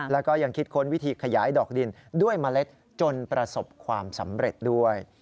แล้วก็ยังคิดค้นวิธีขยายดอกดินด้วยเมล็ดจนประสบความสำเร็จด้วย